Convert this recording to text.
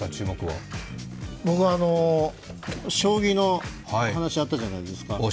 僕は将棋の話あったじゃないですか。